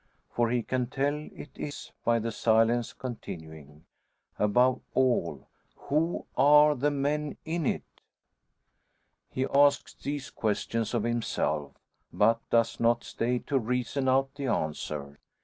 For he can tell it is by the silence continuing. Above all, who are the men in it? He asks these questions of himself, but does not stay to reason out the answers.